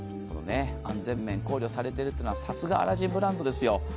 安全面考慮されているというのは、さすがアラジンブランドですよ。